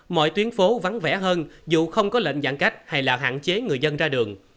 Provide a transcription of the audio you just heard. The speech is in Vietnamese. mọi tuyến phố vắng vẻ hơn dù không có lệnh giãn cách hay là hạn chế người dân ra đường